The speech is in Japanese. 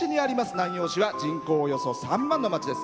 南陽市は人口およそ３万の町です。